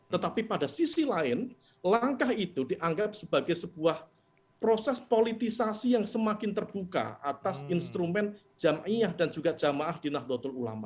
tetapi pada sisi lain langkah itu dianggap sebagai sebuah proses politisasi yang semakin terbuka atas instrumen jama'iyah dan juga jama'ah dinah doa tul ulama